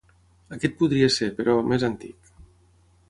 Aquest podria ser, però, més antic.